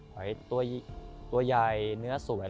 หอยตัวยายเนื้อสวย